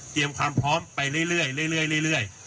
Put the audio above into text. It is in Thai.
เตรียมความพร้อมไปเรื่อย